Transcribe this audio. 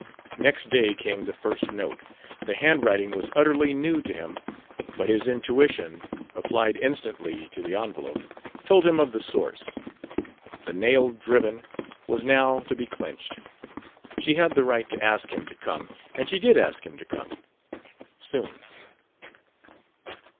Next day came the first note. The handwriting was utterly new to him; but his intuition, applied instantly to the envelope, told him of the source. The nail, driven, was now to be clinched. She had the right to ask him to come; and she did ask him to come "soon."